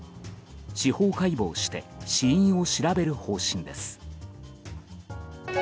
司法解剖して死因を調べる方針です。